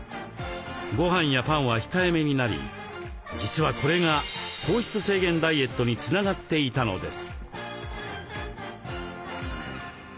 ごはんやパンは控えめになり実はこれが糖質制限ダイエットにつながっていたのです。